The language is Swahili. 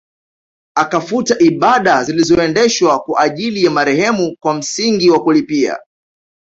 Akafuta ibada zilizoendeshwa kwa ajili ya marehemu kwa msingi wa kulipia